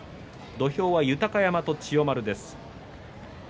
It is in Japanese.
土俵上は豊山と千代丸です。